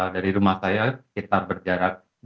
dari rumah saya sekitar berjarak dua puluh enam km